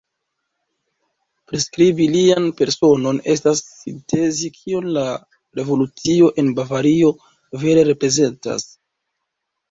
Priskribi lian personon estas sintezi kion la revolucio en Bavario vere reprezentas.